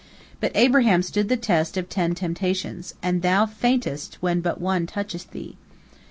But Abraham stood the test of ten temptations, and thou faintest when but one toucheth thee.